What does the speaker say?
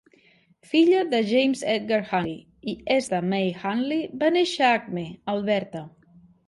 Filla de James Edgar Hunley i Esta May Hunley, va néixer a Acme, Alberta.